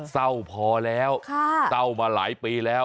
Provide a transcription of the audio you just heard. เศร้าพอแล้วเศร้ามาหลายปีแล้ว